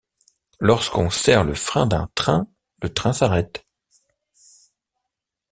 Lorsqu’on serre le frein d’un train, le train s’arrête.